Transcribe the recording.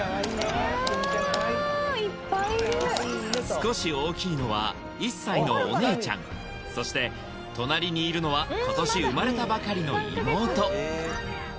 少し大きいのは１歳のお姉ちゃんそして隣にいるのは今年生まれたばかりの妹